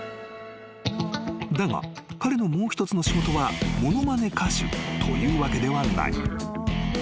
［だが彼のもう一つの仕事は物まね歌手というわけではない］